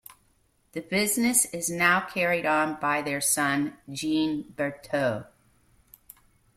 The business is now carried on by their son, Jean Berthaut.